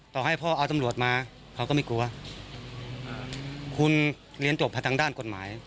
ต่อให้พ่อเอาตำรวจมาเขาก็ไม่กลัวคุณเรียนจบทางด้านกฎหมาย